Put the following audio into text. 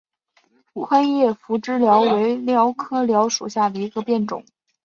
宽叶匐枝蓼为蓼科蓼属下的一个变种。